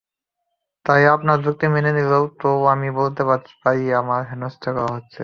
তাই আপনার যুক্তি মেনে নিলে তো আমি বলতে পারি আমাকে হেনস্থা করা হচ্ছে।